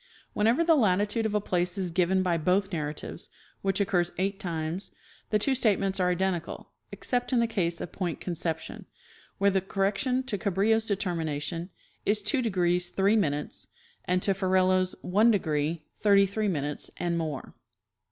Whenever the latitude of a place is given by both narratives, which occurs eight times, the two statements are identical, except in the case of point Conception, where the correction to Cabrillo's determi nation is — 2° 3' and to Ferrelo's — 1° 33' " and more."